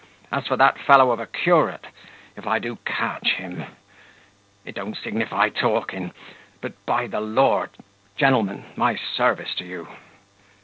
As for that fellow of a curate, if I do catch him It don't signify talking But, by the Lord! Gentlemen, my service to you."